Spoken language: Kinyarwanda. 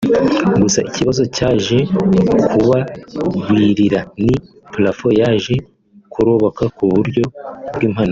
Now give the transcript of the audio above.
gusa ikibazo cyaje kubagwirira ni plafon yaje kuroboka ku buryo bw’impanuka